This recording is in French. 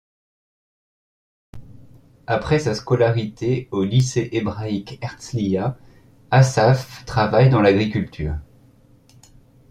Après sa scolarité au lycée hébraïque Herzliya, Assaf travaille dans l'agriculture.